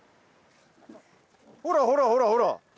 ほらほらほらほら。